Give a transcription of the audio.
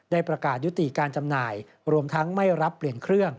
ประกาศยุติการจำหน่ายรวมทั้งไม่รับเปลี่ยนเครื่อง